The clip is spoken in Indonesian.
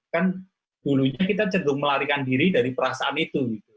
kan dulunya kita cenderung melarikan diri dari perasaan itu